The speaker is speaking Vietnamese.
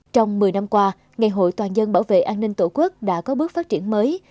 trong một mươi năm qua ngày hội toàn dân bảo vệ an ninh tổ quốc đã có bước phát triển mới